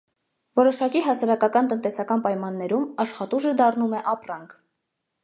Որոշակի հասարակական տնտեսական պայմաններում աշխատուժը դառնում է ապրանք։